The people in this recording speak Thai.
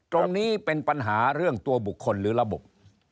ตรงนี้เป็นปัญหาเรื่องตัวบุคคลหรือระบบ